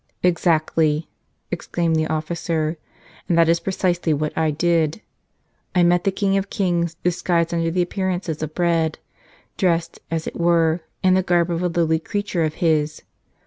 "Exactly!" exclaimed the officer. "And that is pre¬ cisely what I did. I met the King of kings disguised under the appearances of bread, dressed, as it were, in the garb of a lowly creature of His.